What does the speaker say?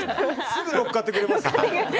すぐ乗っかってくれる。